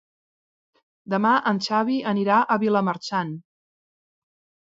Demà en Xavi anirà a Vilamarxant.